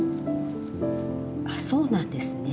あっそうなんですね。